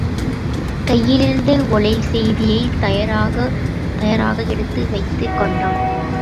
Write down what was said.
கையிலிருந்த ஒலைச்செய்தியைத் தயாராக எடுத்து வைத்துக் கொண்டான்.